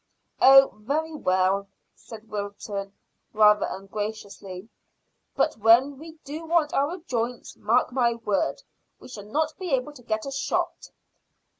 "Oh, very well," said Wilton, rather ungraciously; "but when we do want our joints, mark my words, we shall not be able to get a shot."